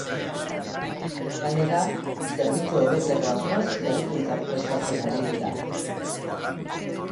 Gainera, zerbitzua hobetzeko asmoz berrikuntzak prestatzen ari dira.